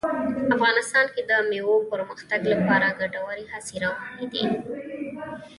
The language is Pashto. افغانستان کې د مېوو د پرمختګ لپاره ګټورې هڅې روانې دي.